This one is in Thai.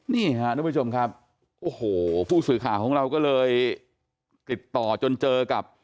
นี่ค่ะทุกผู้ชมครับโอ้โหผู้สื่อข่าวของเราก็เลยติดต่อจนเจอกับ